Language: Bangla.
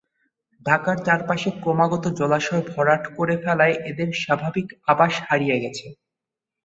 ঢাকার চারপাশে ক্রমাগত জলাশয় ভরাট করে ফেলায় এদের স্বাভাবিক আবাস হারিয়ে গেছে।